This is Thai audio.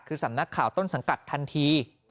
คือสำนักข่าวต้นสังกัดทันที